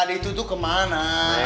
itu tuh kemana